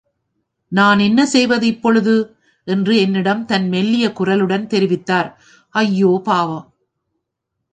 நான் என்ன செய்வது இப்பொழுது? என்று என்னிடம் தன் மெல்லிய குரலுடன் தெரிவித்தார். ஐயோ பாவம்!